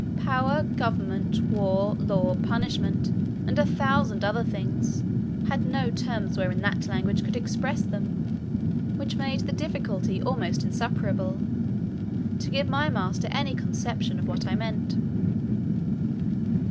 Power, government, war, law, punishment, and a thousand other things, had no terms wherein that language could express them, which made the difficulty almost insuperable, to give my master any conception of what I meant.